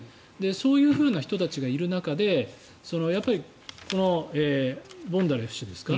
そういうふうな人たちがいる中でこのボンダレフ氏